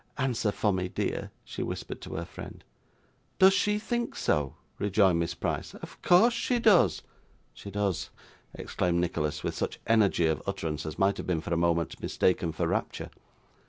Answer for me, dear,' she whispered to her friend. 'Does she think so?' rejoined Miss Price; 'of course she does.' 'She does!' exclaimed Nicholas with such energy of utterance as might have been, for the moment, mistaken for rapture.